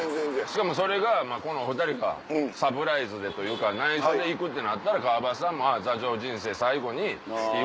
しかもそれがこのお２人がサプライズでというか内緒で行くとなったら川畑さんも座長人生最後にいいことあった。